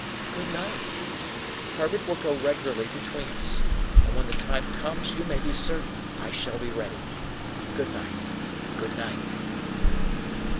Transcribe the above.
"Good night! Herbert will go regularly between us, and when the time comes you may be certain I shall be ready. Good night, good night!"